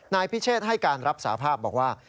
นายพิเชษให้การรับสาภาพบอกว่า